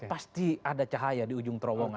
pasti ada cahaya di ujung terowongan